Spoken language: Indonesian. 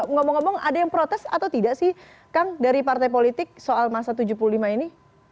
ngomong ngomong ada yang protes atau tidak sih kang dari partai politik soal masa tujuh puluh lima ini